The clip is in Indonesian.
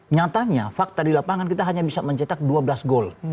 nyatanya fakta di lapangan kita hanya bisa mencetak dua belas gol